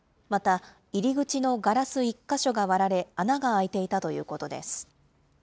また、入り口のガラス１か所が割られ、穴が開いていたということです。